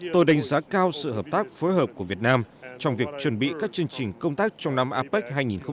tôi đánh giá cao sự hợp tác phối hợp của việt nam trong việc chuẩn bị các chương trình công tác trong năm apec hai nghìn hai mươi